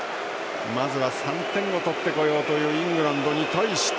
まずは３点を取ってこようというイングランドに対して。